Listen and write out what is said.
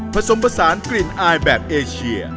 ผสมผสานกลิ่นอายแบบเอเชีย